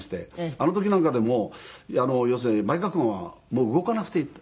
あの時なんかでも要するに「前川君はもう動かなくていい」って。